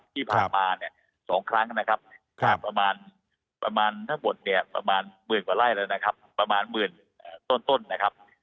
ที่ผ่านมาเนี่ย๒ครั้งนะครับประมาณทั้งหมดเนี่ยประมาณหมื่นกว่าไร่แล้วนะครับประมาณหมื่นต้นนะครับ